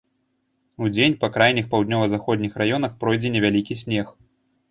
Удзень па крайніх паўднёва-заходніх раёнах пройдзе невялікі снег.